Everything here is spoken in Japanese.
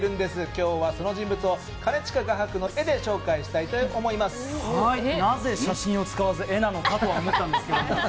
今日はその人物を兼近画伯の絵でなぜ写真を使わず絵なのかと思ったんですけども。